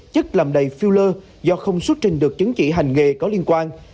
chất làm đầy filler do không xuất trình được chứng chỉ hành nghề có liên quan